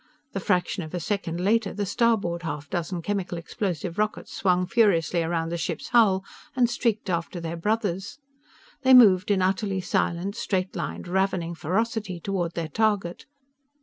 The fraction of a second later, the starboard half dozen chemical explosive rockets swung furiously around the ship's hull and streaked after their brothers. They moved in utterly silent, straight lined, ravening ferocity toward their target.